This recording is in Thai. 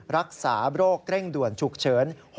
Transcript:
รักษาโรคเร่งด่วนฉุกเฉิน